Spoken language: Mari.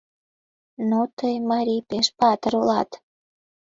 Ну тый, марий, пеш патыр улат.